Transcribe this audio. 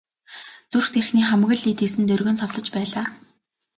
Зүрх тархины хамаг л эд эс нь доргин савлаж байлаа.